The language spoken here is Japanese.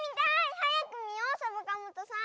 はやくみようサボカもとさん。